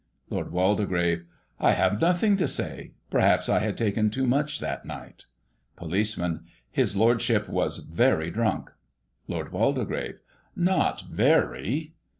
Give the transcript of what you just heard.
Lord Waldegrave : I have nothing to say. Perhaps I had taken too much that night Policeman: His Lordship was very drunk. Lord Waldegrave : Not very.